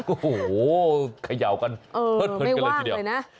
โอ้โหขย่ากันเผิดเลยทีเดียวไม่ว่างเลยนะ